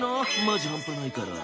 マジ半端ないから。